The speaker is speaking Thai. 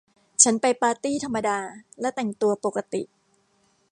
ฉันไปปาร์ตี้ธรรมดา และแต่งตัวปกติ